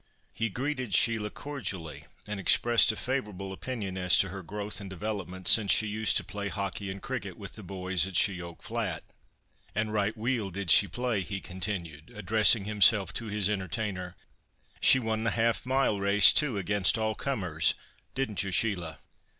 He greeted Sheila cordially and expressed a favourable opinion as to her growth, and development, since she used to play hockey and cricket with the boys at She oak Flat. "And right weel did she play," he continued, addressing himself to his entertainer, "she won the half mile race too, against all comers, didn't you, Sheila?"